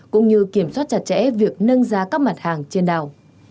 cũng như kiểm soát chặt chẽ việc nâng giá các mặt hàng trên đảo